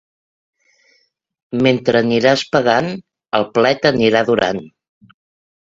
Mentre aniràs pagant, el plet anirà durant.